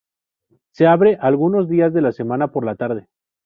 Se abre algunos días de la semana por la tarde.